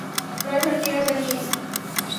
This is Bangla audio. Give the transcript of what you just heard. ড্রাইভার কে না জানিয়ে।